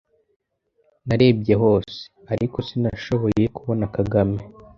Narebye hose, ariko sinashoboye kubona Kagame.